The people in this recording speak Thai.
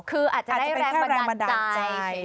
คืออาจจะเป็นแค่แรงบันดาลใจ